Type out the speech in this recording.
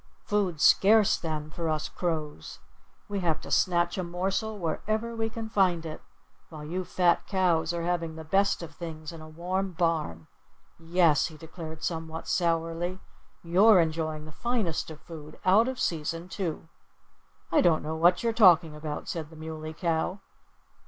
Food's scarce then, for us crows. We have to snatch a morsel wherever we can find it, while you fat cows are having the best of things in a warm barn.... Yes!" he declared somewhat sourly. "You're enjoying the finest of food out of season, too." "I don't know what you're talking about," said the Muley Cow.